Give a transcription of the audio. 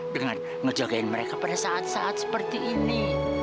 dengan ngejagain mereka pada saat saat seperti ini